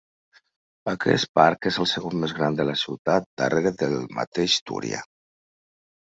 Aquest parc és el segon més gran de la ciutat darrere del mateix Túria.